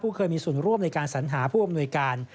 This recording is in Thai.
เคยมีส่วนร่วมในการสัญหาผู้อำนวยการ